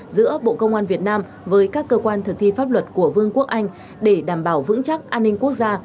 giữa bộ công an việt nam với các cơ quan thực thi pháp luật của vương quốc anh để đảm bảo vững chắc an ninh quốc gia